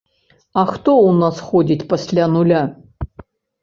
А хто ў нас ходзіць пасля нуля?